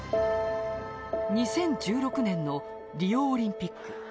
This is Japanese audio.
２０１６年のリオオリンピック。